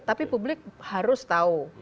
tapi publik harus tahu